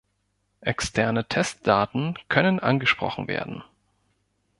Externe Testdaten können angesprochen werden.